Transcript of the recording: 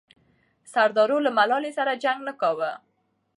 سردارو له ملالۍ سره جنګ نه کاوه.